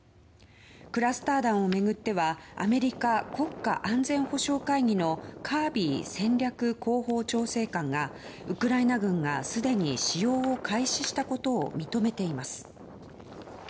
クラスター弾を巡ってはアメリカ国家安全保障会議のカービー戦略広報調整官がウクライナ軍がすでに使用を開始したことを認めています。